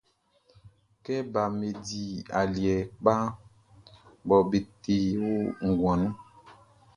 Kɛ baʼm be di aliɛ kpa mɔ be te o nguan nunʼn.